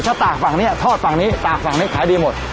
ถ้าตากฝั่งนี้ทอดฝั่งนี้ตากฝั่งนี้ขายดีหมด